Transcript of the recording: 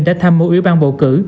đã tham mưu ủy ban bầu cử